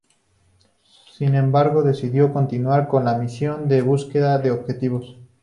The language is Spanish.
Sin embargo, decidió continuar con la misión en búsqueda de objetivos.